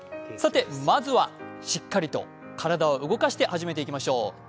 まずは、しっかりと体を動かして始めていきましょう。